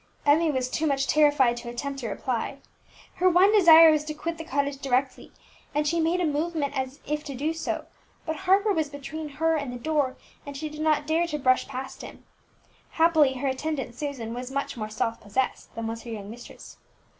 Emmie was too much terrified to attempt a reply. Her one desire was to quit the cottage directly, and she made a movement as if to do so; but Harper was between her and the door, and she did not dare to brush past him. Happily her attendant Susan was much more self possessed than was her young mistress.